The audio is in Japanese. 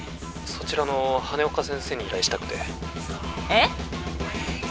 そちらの羽根岡先生に依頼したくてえっ？